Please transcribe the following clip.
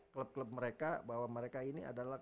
klub klub mereka bahwa mereka ini adalah